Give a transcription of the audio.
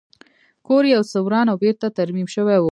کور یې یو څه وران او بېرته ترمیم شوی و